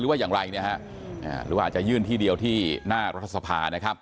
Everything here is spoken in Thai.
ว่าอย่างไรเนี่ยฮะหรือว่าอาจจะยื่นที่เดียวที่หน้ารัฐสภานะครับ